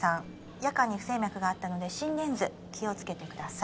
夜間に不整脈があったので心電図気をつけてください